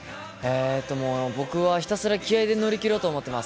もう僕はひたすら気合いで乗り切ろうと思ってます。